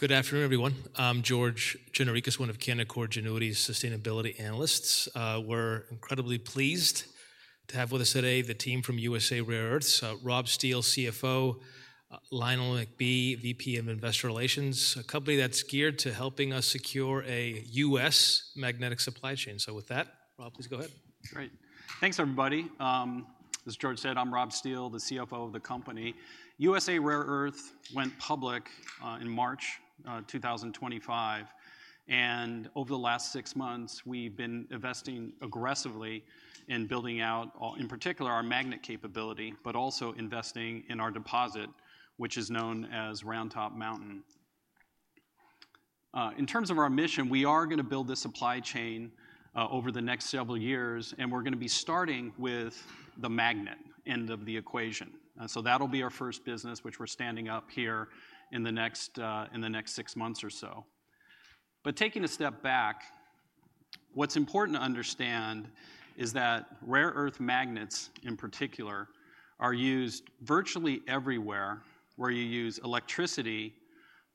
Good afternoon, everyone. I'm George Gianarikas, one of Canaccord Genuity's Sustainability Analysts. We're incredibly pleased to have with us today the team from USA Rare Earth, Rob Steele, CFO, Lionel McBee, VP of Investor Relations, a company that's geared to helping us secure a U.S. magnetic supply chain. With that, Rob, please go ahead. Great. Thanks, everybody. As George said, I'm Rob Steele, the CFO of the company. USA Rare Earth went public in March 2025, and over the last six months, we've been investing aggressively in building out, in particular, our magnet capability, but also investing in our deposit, which is known as Round Top Mountain. In terms of our mission, we are going to build this supply chain over the next several years, and we're going to be starting with the magnet end of the equation. That'll be our first business, which we're standing up here in the next six months or so. Taking a step back, what's important to understand is that rare earth magnets, in particular, are used virtually everywhere where you use electricity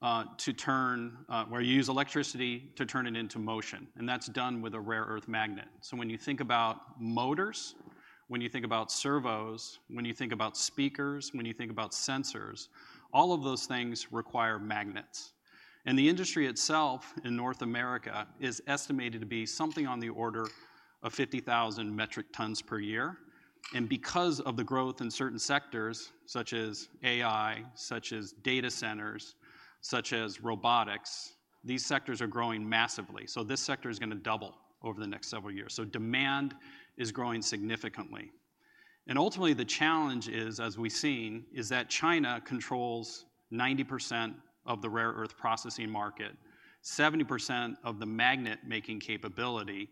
to turn, where you use electricity to turn it into motion. That's done with a rare earth magnet. When you think about motors, when you think about servos, when you think about speakers, when you think about sensors, all of those things require magnets. The industry itself in North America is estimated to be something on the order of 50,000 metric tons per year. Because of the growth in certain sectors, such as AI, such as data centers, such as robotics, these sectors are growing massively. This sector is going to double over the next several years. Demand is growing significantly. Ultimately, the challenge is, as we've seen, that China controls 90% of the rare earth processing market, 70% of the magnet making capability.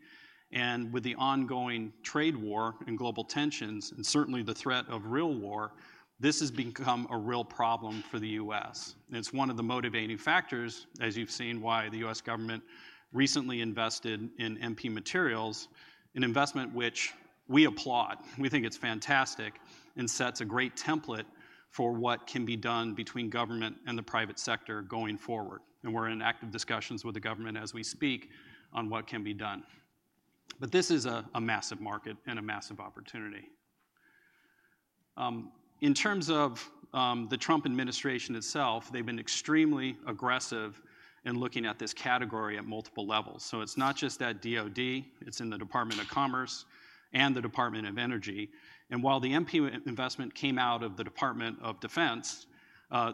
With the ongoing trade war and global tensions, and certainly the threat of real war, this has become a real problem for the U.S. It's one of the motivating factors, as you've seen, why the U.S. government recently invested in MP Materials, an investment which we applaud. We think it's fantastic and sets a great template for what can be done between government and the private sector going forward. We're in active discussions with the government as we speak on what can be done. This is a massive market and a massive opportunity. In terms of the Trump Administration itself, they've been extremely aggressive in looking at this category at multiple levels. It's not just that DOD, it's in the Department of Commerce and the Department of Energy. While the MP investment came out of the Department of Defense,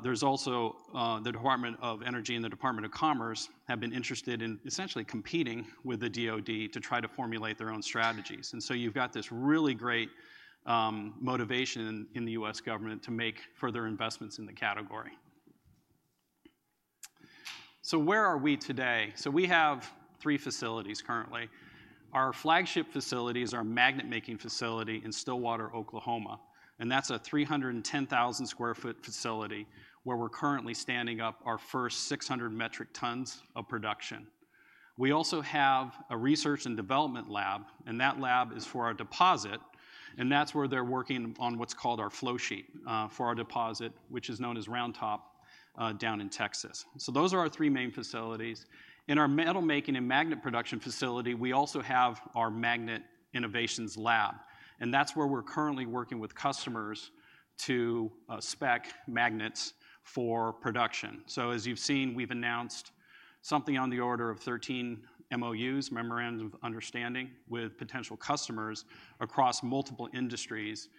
there's also the Department of Energy and the Department of Commerce have been interested in essentially competing with the DOD to try to formulate their own strategies. You've got this really great motivation in the U.S. government to make further investments in the category. Where are we today? We have three facilities currently. Our flagship facility is our magnet making facility in Stillwater, Oklahoma. That's a 310,000 sq ft facility where we're currently standing up our first 600 metric tons of production. We also have a research and development lab, and that lab is for our deposit. That's where they're working on what's called our flow sheet for our deposit, which is known as Round Top down in Texas. Those are our three main facilities. In our metal making and magnet production facility, we also have our magnet innovations lab. That's where we're currently working with customers to spec magnets for production. As you've seen, we've announced something on the order of 13 MoUs (Memorandum of Understanding) with potential customers across multiple industries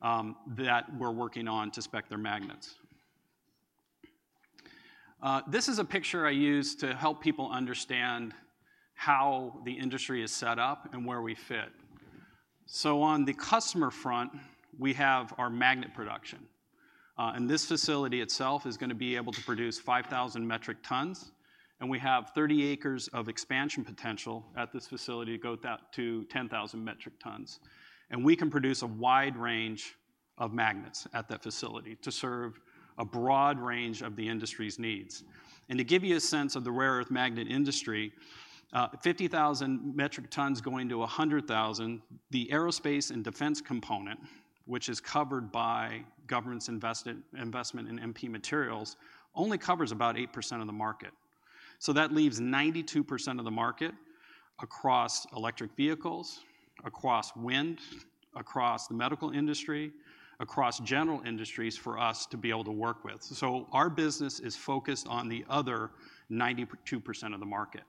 that we're working on to spec their magnets. This is a picture I use to help people understand how the industry is set up and where we fit. On the customer front, we have our magnet production. This facility itself is going to be able to produce 5,000 metric tons. We have 30 acres of expansion potential at this facility to go to 10,000 metric tons. We can produce a wide range of magnets at that facility to serve a broad range of the industry's needs. To give you a sense of the rare earth magnet industry, 50,000 metric tons going to 100,000, the aerospace and defense component, which is covered by government's investment in MP Materials, only covers about 8% of the market. That leaves 92% of the market across electric vehicles, across wind, across the medical industry, across general industries for us to be able to work with. Our business is focused on the other 92% of the market.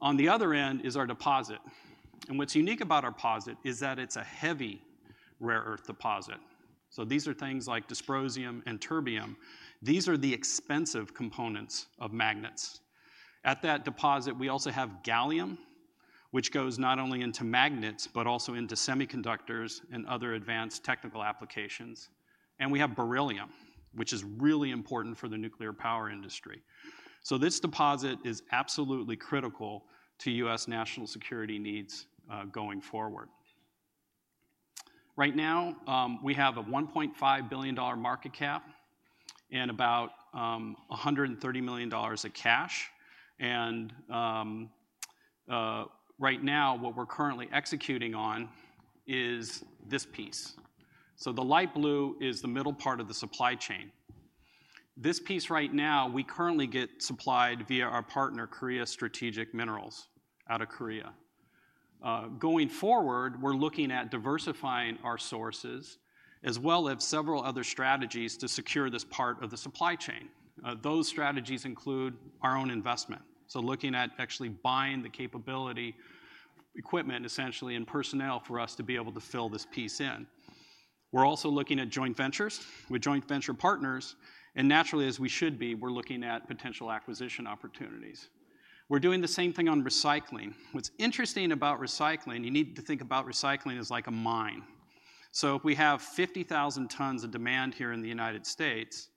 On the other end is our deposit. What's unique about our deposit is that it's a heavy rare earth deposit. These are things like dysprosium and terbium. These are the expensive components of magnets. At that deposit, we also have gallium, which goes not only into magnets, but also into semiconductors and other advanced technical applications. We have beryllium, which is really important for the nuclear power industry. This deposit is absolutely critical to U.S. national security needs going forward. Right now, we have a $1.5 billion market cap and about $130 million of cash. Right now, what we're currently executing on is this piece. The light blue is the middle part of the supply chain. This piece right now, we currently get supplied via our partner, Korea Strategic Minerals, out of Korea. Going forward, we're looking at diversifying our sources, as well as several other strategies to secure this part of the supply chain. Those strategies include our own investment. Looking at actually buying the capability, equipment, essentially, and personnel for us to be able to fill this piece in. We're also looking at joint ventures with joint venture partners. Naturally, as we should be, we're looking at potential acquisition opportunities. We're doing the same thing on recycling. What's interesting about recycling, you need to think about recycling as like a mine. If we have 50,000 tons of demand here in the United States,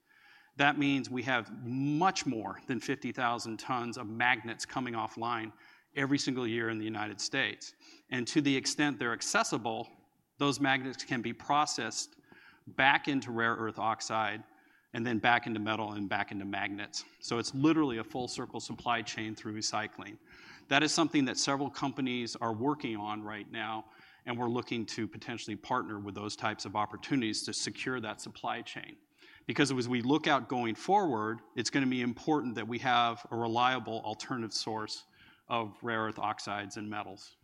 that means we have much more than 50,000 tons of magnets coming offline every single year in the United States. To the extent they're accessible, those magnets can be processed back into rare earth oxide and then back into metal and back into magnets. It's literally a full circle supply chain through recycling. That is something that several companies are working on right now. We're looking to potentially partner with those types of opportunities to secure that supply chain. As we look out going forward, it's going to be important that we have a reliable alternative source of rare earth oxides and metals.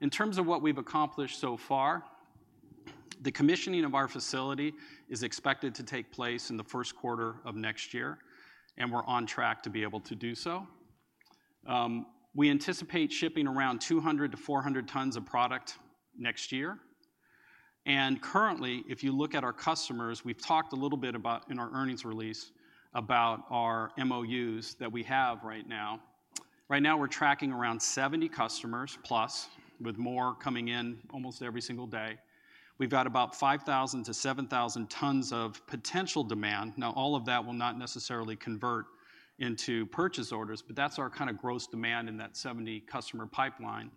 In terms of what we've accomplished so far, the commissioning of our facility is expected to take place in the first quarter of next year, and we're on track to be able to do so. We anticipate shipping around 200-400 tons of product next year. Currently, if you look at our customers, we've talked a little bit about in our earnings release about our MoUs that we have right now. Right now, we're tracking around 70 customers plus, with more coming in almost every single day. We've got about 5,000-7,000 tons of potential demand. All of that will not necessarily convert into purchase orders, but that's our kind of gross demand in that 70 customer pipeline,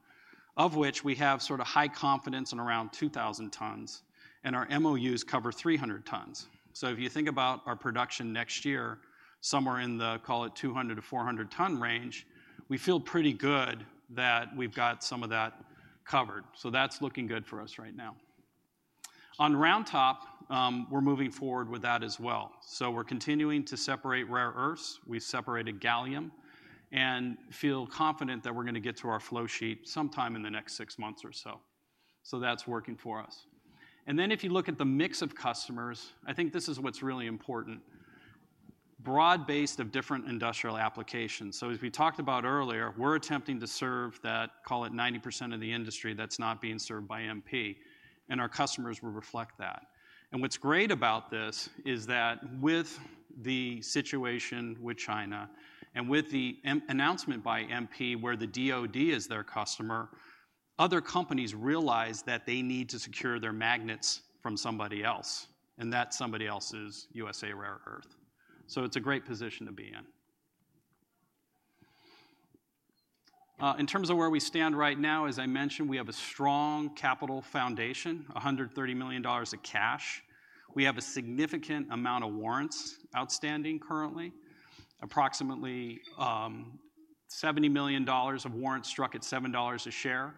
of which we have sort of high confidence in around 2,000 tons. Our MoUs cover 300 tons. If you think about our production next year, somewhere in the 200-400 ton range, we feel pretty good that we've got some of that covered. That's looking good for us right now. On Round Top, we're moving forward with that as well. We're continuing to separate rare earths. We've separated gallium and feel confident that we're going to get to our flow sheet sometime in the next six months or so. That's working for us. If you look at the mix of customers, I think this is what's really important. Broad-based of different industrial applications. As we talked about earlier, we're attempting to serve that, call it 90% of the industry that's not being served by MP Materials. Our customers will reflect that. What's great about this is that with the situation with China and with the announcement by MP Materials where the DOD is their customer, other companies realize that they need to secure their magnets from somebody else. That somebody else is USA Rare Earth. It's a great position to be in. In terms of where we stand right now, as I mentioned, we have a strong capital foundation, $130 million of cash. We have a significant amount of warrants outstanding currently. Approximately $70 million of warrants struck at $7 a share,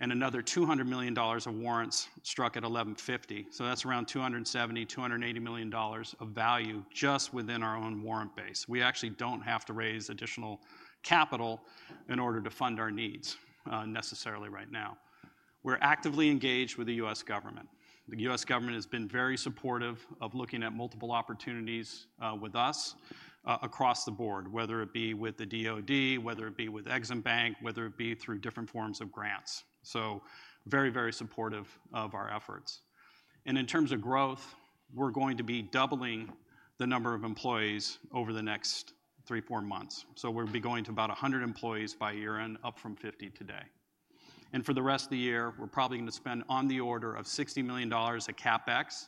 and another $200 million of warrants struck at $11.50. That's around $270 million, $280 million of value just within our own warrant base. We actually don't have to raise additional capital in order to fund our needs necessarily right now. We're actively engaged with the U.S. government. The U.S. government has been very supportive of looking at multiple opportunities with us across the board, whether it be with the DOD, whether it be with Exim Bank, whether it be through different forms of grants. Very, very supportive of our efforts. In terms of growth, we're going to be doubling the number of employees over the next three, four months. We'll be going to about 100 employees by year end, up from 50 today. For the rest of the year, we're probably going to spend on the order of $60 million of CapEx.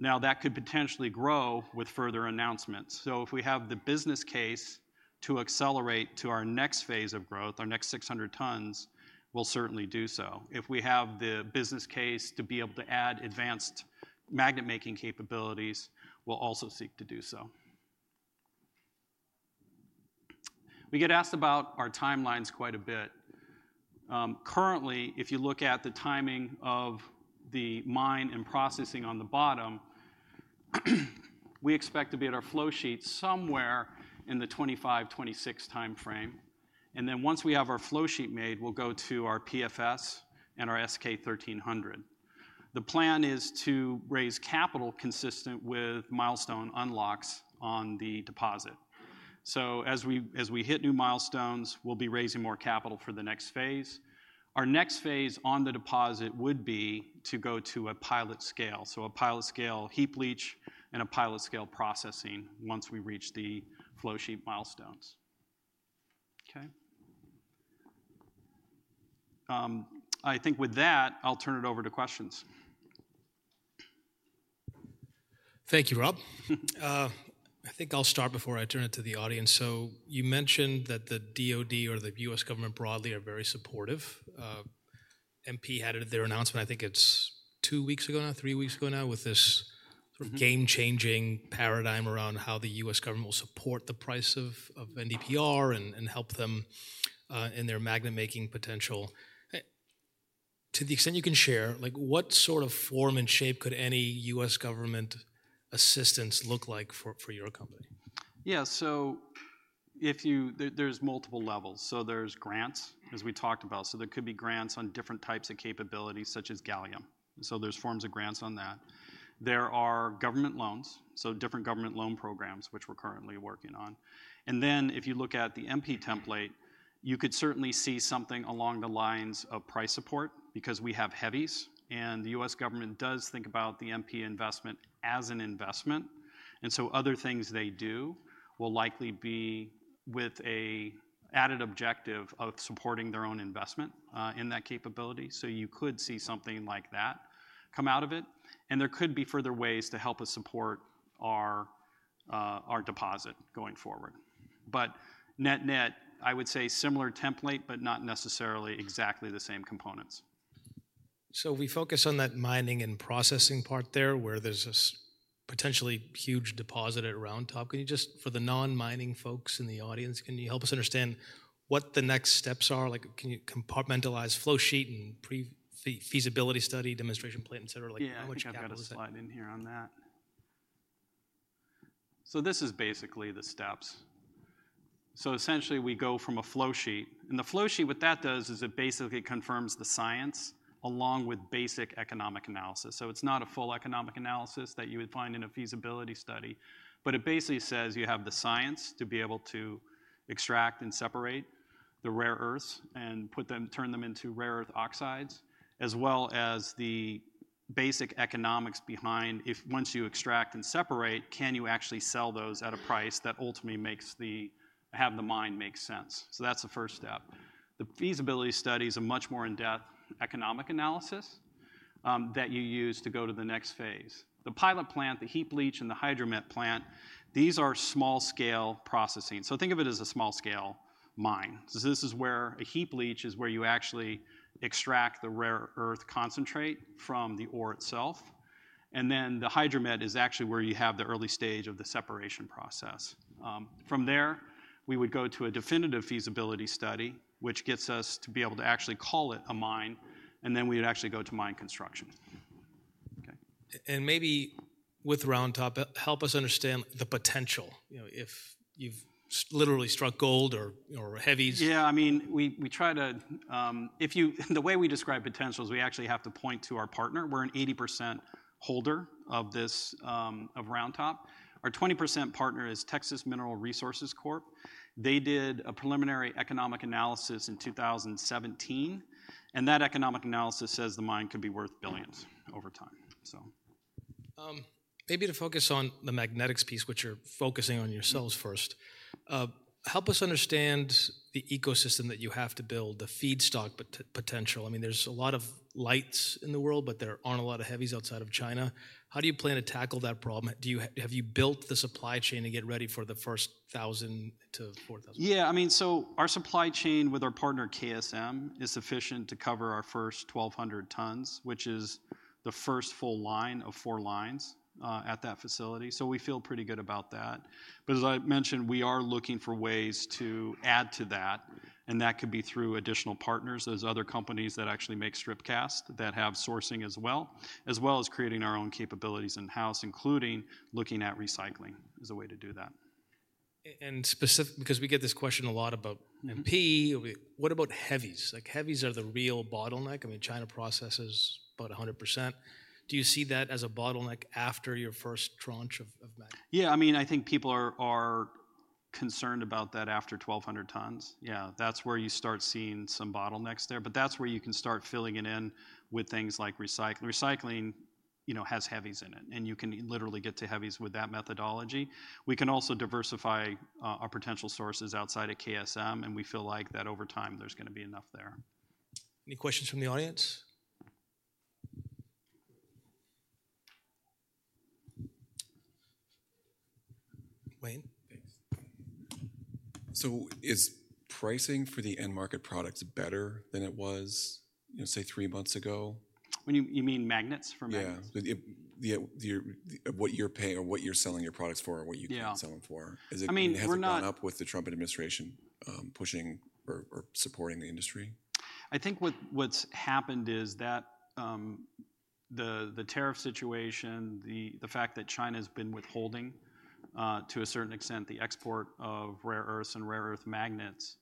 That could potentially grow with further announcements. If we have the business case to accelerate to our next phase of growth, our next 600 tons, we'll certainly do so. If we have the business case to be able to add advanced magnet making capabilities, we'll also seek to do so. We get asked about our timelines quite a bit. Currently, if you look at the timing of the mine and processing on the bottom, we expect to be at our flow sheet somewhere in the 2025-2026 timeframe. Once we have our flow sheet made, we'll go to our PFS and our S-K 1300. The plan is to raise capital consistent with milestone unlocks on the deposit. As we hit new milestones, we'll be raising more capital for the next phase. Our next phase on the deposit would be to go to a pilot scale, a pilot scale heap leach and a pilot scale processing once we reach the flow sheet milestones. I think with that, I'll turn it over to questions. Thank you, Rob. I think I'll start before I turn it to the audience. You mentioned that the DOD or the U.S. government broadly are very supportive. MP Materials had their announcement, I think it's two weeks ago now, three weeks ago now, with this sort of game-changing paradigm around how the U.S. government will support the price of NdPr and help them in their magnet making potential. To the extent you can share, what sort of form and shape could any U.S. government assistance look like for your company? Yeah, so there's multiple levels. There's grants, as we talked about. There could be grants on different types of capabilities, such as gallium. There's forms of grants on that. There are government loans, different government loan programs, which we're currently working on. If you look at the MP template, you could certainly see something along the lines of price support because we have heavies. The U.S. government does think about the MP investment as an investment. Other things they do will likely be with an added objective of supporting their own investment in that capability. You could see something like that come out of it. There could be further ways to help us support our deposit going forward. Net-net, I would say similar template, but not necessarily exactly the same components. We focus on that mining and processing part there, where there's this potentially huge deposit at Round Top. Can you, for the non-mining folks in the audience, help us understand what the next steps are? Can you compartmentalize flow sheet and feasibility study, demonstration plate, et cetera? Yeah, I can slide in here on that. This is basically the steps. Essentially, we go from a flow sheet. The flow sheet, what that does is it basically confirms the science along with basic economic analysis. It's not a full economic analysis that you would find in a feasibility study, but it basically says you have the science to be able to extract and separate the rare earths and turn them into rare earth oxides, as well as the basic economics behind if once you extract and separate, can you actually sell those at a price that ultimately makes having the mine make sense. That's the first step. The feasibility study is a much more in-depth economic analysis that you use to go to the next phase. The pilot plant, the heap leach, and the hydromet plant, these are small-scale processing. Think of it as a small-scale mine. This is where a heap leach is where you actually extract the rare earth concentrate from the ore itself. The hydromet is actually where you have the early stage of the separation process. From there, we would go to a definitive feasibility study, which gets us to be able to actually call it a mine. We would actually go to mine construction. With Round Top, help us understand the potential. If you've literally struck gold or heavies. Yeah, I mean, we try to, the way we describe potential is we actually have to point to our partner. We're an 80% holder of Round Top. Our 20% partner is Texas Mineral Resources Corp. They did a preliminary economic analysis in 2017. That economic analysis says the mine could be worth billions over time. Maybe to focus on the magnetics piece, which you're focusing on yourselves first, help us understand the ecosystem that you have to build, the feedstock potential. I mean, there's a lot of lights in the world, but there aren't a lot of heavies outside of China. How do you plan to tackle that problem? Have you built the supply chain to get ready for the first 1,000-4,000? Yeah, I mean, our supply chain with our partner KSM is sufficient to cover our first 1,200 tons, which is the first full line of four lines at that facility. We feel pretty good about that. As I mentioned, we are looking for ways to add to that. That could be through additional partners. There are other companies that actually make strip cast that have sourcing as well, as well as creating our own capabilities in-house, including looking at recycling as a way to do that. Specifically, because we get this question a lot about MP Minerals, what about heavies? Heavies are the real bottleneck. China processes about 100%. Do you see that as a bottleneck after your first tranche of magnets? Yeah, I mean, I think people are concerned about that after 1,200 tons. That's where you start seeing some bottlenecks there. That's where you can start filling it in with things like recycling. Recycling has heavies in it, and you can literally get to heavies with that methodology. We can also diversify our potential sources outside of KSM, and we feel like that over time, there's going to be enough there. Any questions from the audience? So, is pricing for the end market products better than it was, you know, say, three months ago? You mean magnets from-- Yeah, what you're paying or what you're selling your products for, or what you're selling for. Yeah, I mean we're not-- Has it kept up with the Trump Administration pushing or supporting the industry? I think what's happened is that the tariff situation, the fact that China has been withholding, to a certain extent, the export of rare earths and rare earth magnets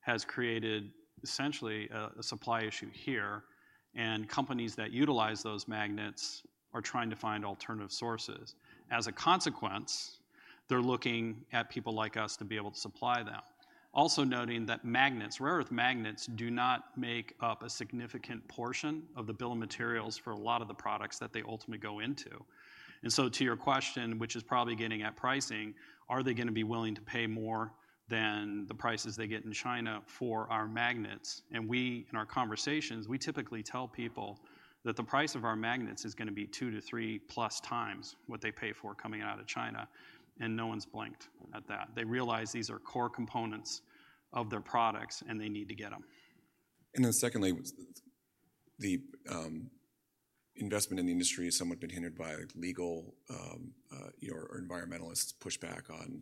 has created essentially a supply issue here. Companies that utilize those magnets are trying to find alternative sources. As a consequence, they're looking at people like us to be able to supply them. Also noting that magnets, rare earth magnets, do not make up a significant portion of the bill of materials for a lot of the products that they ultimately go into. To your question, which is probably getting at pricing, are they going to be willing to pay more than the prices they get in China for our magnets? In our conversations, we typically tell people that the price of our magnets is going to be two to three plus times what they pay for coming out of China. No one's blinked at that. They realize these are core components of their products, and they need to get them. The investment in the industry has somewhat been hindered by legal or environmentalist pushback on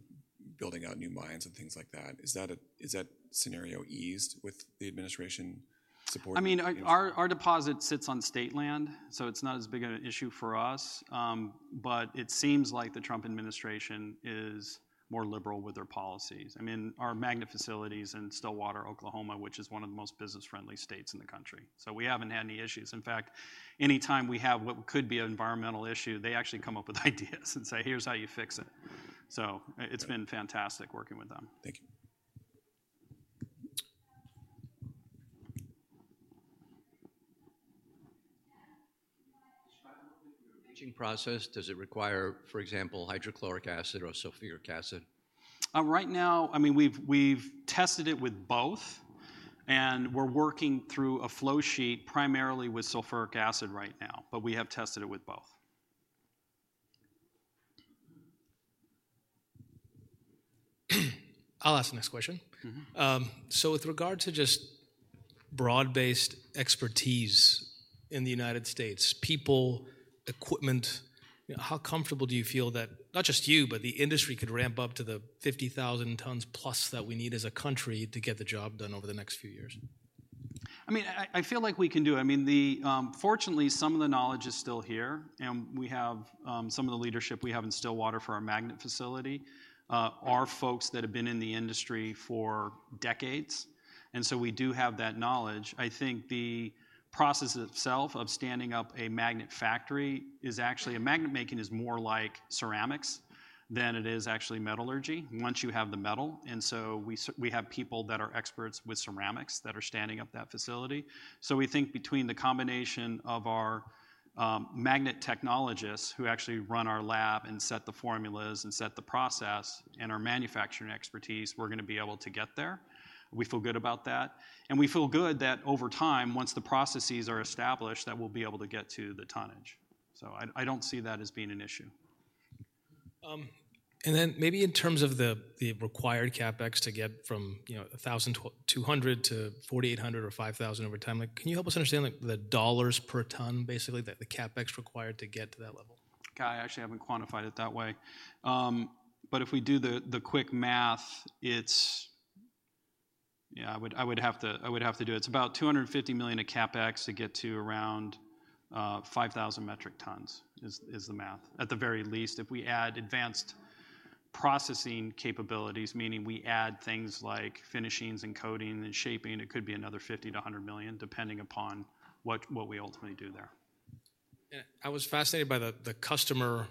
building out new mines and things like that. Is that scenario eased with the administration support? Our deposit sits on state land, so it's not as big of an issue for us. It seems like the Trump administration is more liberal with their policies. Our magnet facilities are in Stillwater, Oklahoma, which is one of the most business-friendly states in the country. We haven't had any issues. In fact, any time we have what could be an environmental issue, they actually come up with ideas and say, here's how you fix it. It's been fantastic working with them. Thank you. Process, does it require, for example, hydrochloric acid or sulfuric acid? Right now, we've tested it with both. We're working through a flow sheet primarily with sulfuric acid right now, but we have tested it with both. I'll ask the next question. With regard to just broad-based expertise in the United States, people, equipment, how comfortable do you feel that not just you, but the industry could ramp up to the 50,000 tons plus that we need as a country to get the job done over the next few years? I feel like we can do it. Fortunately, some of the knowledge is still here, and we have some of the leadership we have in Stillwater for our magnet facility. Our folks have been in the industry for decades, and we do have that knowledge. I think the process itself of standing up a magnet factory is actually a magnet making is more like ceramics than it is actually metallurgy once you have the metal. We have people that are experts with ceramics that are standing up that facility. We think between the combination of our magnet technologists who actually run our lab and set the formulas and set the process and our manufacturing expertise, we're going to be able to get there. We feel good about that, and we feel good that over time, once the processes are established, we'll be able to get to the tonnage. So, I don't see that as being an issue. In terms of the required CapEx to get from 1,200-4,800 or 5,000 over time, can you help us understand the dollars per ton, basically, that the CapEx required to get to that level? I actually haven't quantified it that way. If we do the quick math, I would have to do it. It's about $250 million of CapEx to get to around 5,000 metric tons, is the math. At the very least, if we add advanced processing capabilities, meaning we add things like finishings and coating and shaping, it could be another $50-$100 million, depending upon what we ultimately do there. I was fascinated by the customer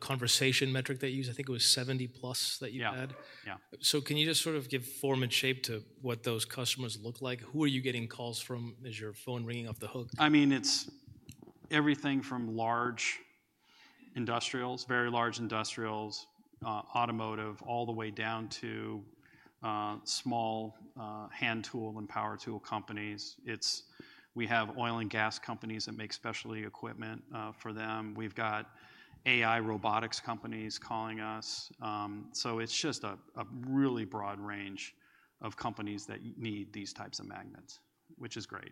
conversation metric they use. I think it was 70+ that you had. Yeah. Can you just sort of give form and shape to what those customers look like? Who are you getting calls from? Is your phone ringing off the hook? I mean, it's everything from large industrials, very large industrials, automotive, all the way down to small hand tool and power tool companies. We have oil and gas companies that make specialty equipment for them. We've got AI robotics companies calling us. It's just a really broad range of companies that need these types of magnets, which is great.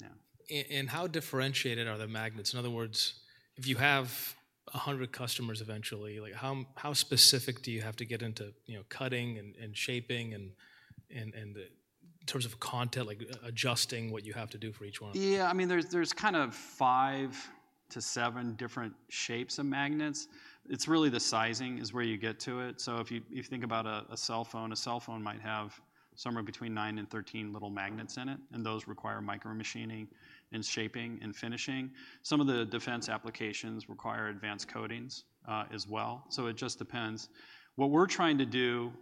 Yeah. How differentiated are the magnets? In other words, if you have 100 customers eventually, how specific do you have to get into cutting and shaping, and in terms of content, like adjusting what you have to do for each one? Yeah, I mean, there's kind of five to seven different shapes of magnets. It's really the sizing is where you get to it. If you think about a cell phone, a cell phone might have somewhere between 9 and 13 little magnets in it. Those require micro machining and shaping and finishing. Some of the defense applications require advanced coatings as well. It just depends. What we're trying to do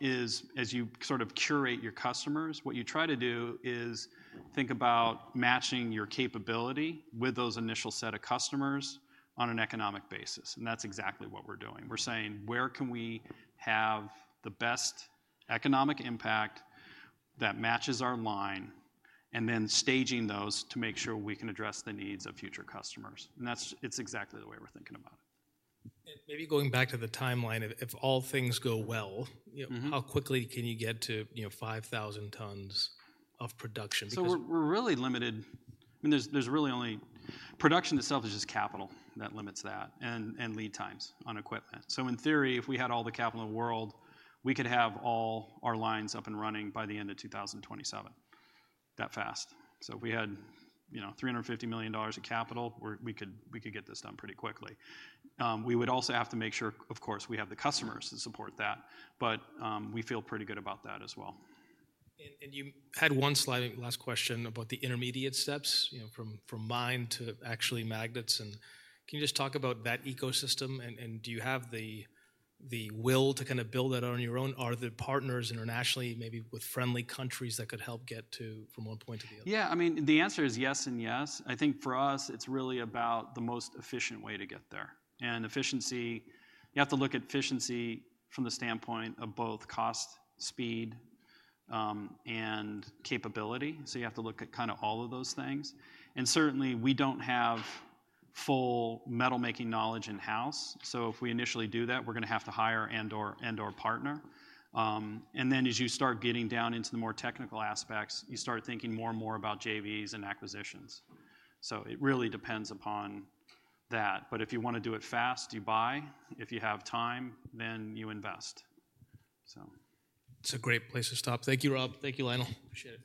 is, as you sort of curate your customers, what you try to do is think about matching your capability with those initial set of customers on an economic basis. That's exactly what we're doing. We're saying, where can we have the best economic impact that matches our line? Then staging those to make sure we can address the needs of future customers. That's exactly the way we're thinking about it. Maybe going back to the timeline, if all things go well, how quickly can you get to 5,000 tons of production? We're really limited. I mean, there's really only production itself; it's just capital that limits that and lead times on equipment. In theory, if we had all the capital in the world, we could have all our lines up and running by the end of 2027, that fast. If we had $350 million of capital, we could get this done pretty quickly. We would also have to make sure, of course, we have the customers to support that. We feel pretty good about that as well. You had one sliding last question about the intermediate steps from mine to actually magnets. Can you just talk about that ecosystem? Do you have the will to kind of build that on your own? Are there partners internationally, maybe with friendly countries, that could help get to from one point to the other? Yeah, I mean, the answer is yes and yes. I think for us, it's really about the most efficient way to get there. Efficiency, you have to look at efficiency from the standpoint of both cost, speed, and capability. You have to look at all of those things. Certainly, we don't have full metal making knowledge in-house. If we initially do that, we're going to have to hire and/or partner. As you start getting down into the more technical aspects, you start thinking more and more about JVs and acquisitions. It really depends upon that. If you want to do it fast, you buy. If you have time, then you invest. It's a great place to stop. Thank you, Rob. Thank you, Lionel. Appreciate it.